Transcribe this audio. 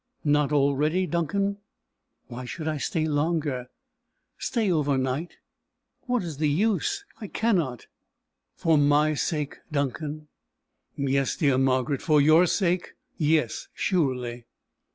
"Not already, Duncan?" "Why should I stay longer?" "Stay over to night." "What is the use? I cannot." "For my sake, Duncan!" "Yes, dear Margaret; for your sake. Yes, surely."